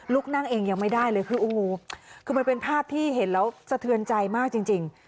นั่งเองยังไม่ได้เลยคือโอ้โหคือมันเป็นภาพที่เห็นแล้วสะเทือนใจมากจริง